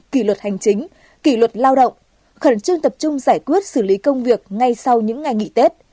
kỷ luật hành chính kỷ luật lao động khẩn trương tập trung giải quyết xử lý công việc ngay sau những ngày nghỉ tết